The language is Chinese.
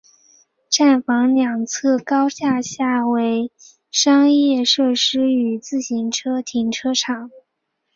站房两侧高架下为商业设施与自行车停车场。